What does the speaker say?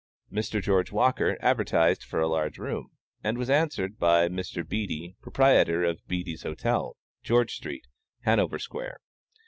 Mr. George Walker advertised for a large room, and was answered by Mr. Beattie, proprietor of Beattie's Hotel, George street, Hanover square.